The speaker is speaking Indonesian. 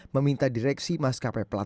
meminta direksi maskapai platonik